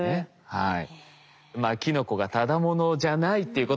はい。